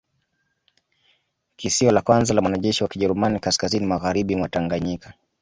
Kisio la kwanza la mwanajeshi wa Kijerumani kaskazini magharibi mwa Tanganyika